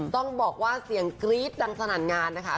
ต้องบอกว่าเสียงกรี๊ดดังสนั่นงานนะคะ